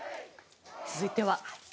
続いては。